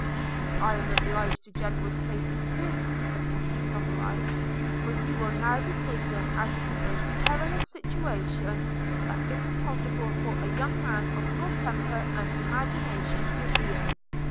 'I am obliged to General Tracy too,' said Mr Somerive, 'for you will now be taken out of the most perilous situation that it is possible for a young man of your temper and imagination to be in.